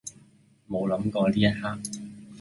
冇諗過呢一刻